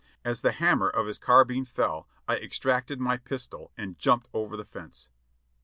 As the hammer of his carbine fell I extricated my pistol and jumped over the fence.